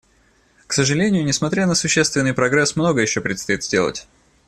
К сожалению, несмотря на существенный прогресс, многое еще предстоит сделать.